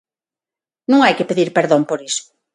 Non hai que pedir perdón por iso.